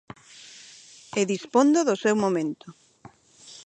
E dispondo do seu momento.